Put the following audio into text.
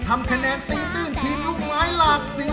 ทำคะแนนตีตื้นทีมลูกไม้หลากสี